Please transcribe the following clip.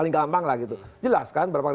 di sini juga nampak